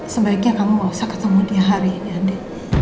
sebaiknya kamu gak usah ketemu dia hari ini